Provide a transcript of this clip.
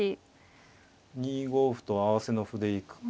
２五歩と合わせの歩で行くか。